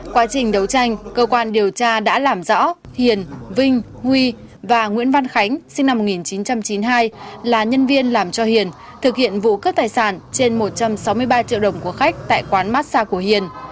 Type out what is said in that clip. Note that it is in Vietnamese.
quá trình đấu tranh cơ quan điều tra đã làm rõ hiền vinh huy và nguyễn văn khánh sinh năm một nghìn chín trăm chín mươi hai là nhân viên làm cho hiền thực hiện vụ cướp tài sản trên một trăm sáu mươi ba triệu đồng của khách tại quán massage của hiền